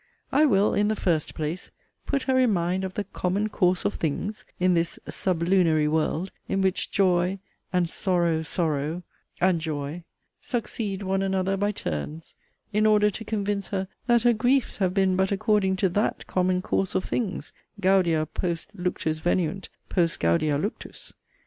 I will, IN THE FIRST PLACE, put her in mind of the 'common course of things' in this 'sublunary world,' in which 'joy' and 'sorrow, sorrow' and joy,' succeed one another by turns'; in order to convince her, that her griefs have been but according to 'that' common course of things: 'Gaudia post luctus veniunt, post gaudia luctus.'